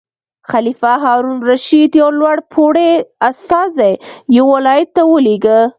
خلیفه هارون الرشید یو لوړ پوړی استازی یو ولایت ته ولېږه.